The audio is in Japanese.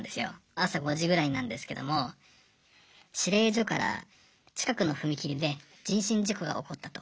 朝５時ぐらいなんですけども司令所から近くの踏切で人身事故が起こったと。